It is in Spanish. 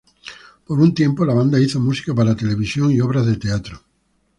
Por un tiempo la banda hizo música para televisión y obras de teatro.